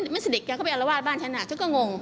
มันสิเด็กกันเข้าไปอรวาสบ้านฉันฉันก็งง